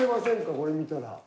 これ見たら。